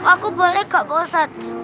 aku boleh kak ustadz